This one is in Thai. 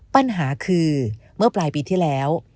ปัญหาคือเมื่อปลายปีที่แล้ว